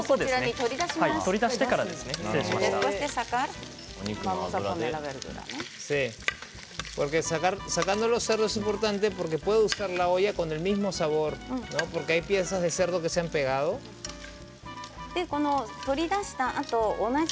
取り出してからですね。